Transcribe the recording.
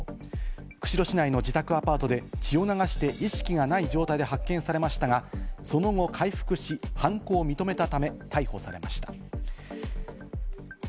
釧路市内の自宅アパートで血を流して意識がない状態で発見されましたが、その後、回復し、犯行を認めたため、逮捕されました。